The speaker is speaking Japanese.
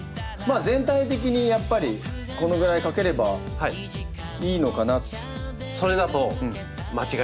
全体的にやっぱりこのぐらいかければいいのかな。